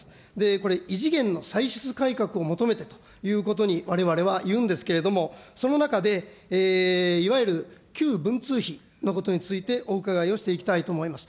これ、異次元の歳出改革を求めてということに、われわれは言うんですけれども、その中で、いわゆる旧文通費のことについて、お伺いをしていきたいと思います。